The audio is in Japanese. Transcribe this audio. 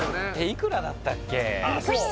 いくらだったっけ？